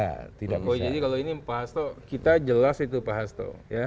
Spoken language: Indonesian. jadi kalau ini pak hasto kita jelas itu pak hasto